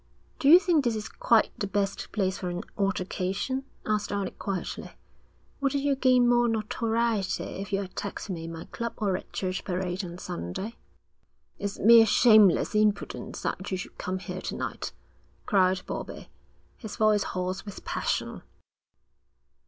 'Do you think this is quite the best place for an altercation?' asked Alec quietly. 'Wouldn't you gain more notoriety if you attacked me in my club or at Church Parade on Sunday?' 'It's mere shameless impudence that you should come here to night,' cried Bobbie, his voice hoarse with passion.